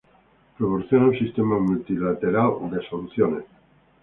Proporciona un sistema multilateral de soluciones.